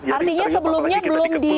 artinya sebelumnya belum di